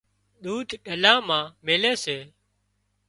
ۮود ڏلا مان ميلي سي